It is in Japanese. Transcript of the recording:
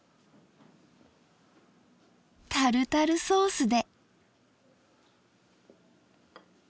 タルタルソースで。